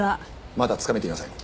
まだつかめていません。